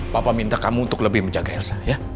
papa minta kamu untuk lebih menjaga ersa ya